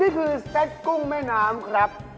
นี่คือสเต็ดกุ้งแม่น้ำครับ